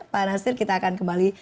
pak nasir kita akan kembali